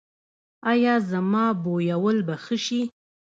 ایا زما بویول به ښه شي؟